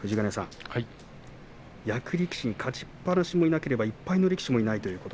役力士に勝ちっぱなしもいなければ１敗の力士もいない。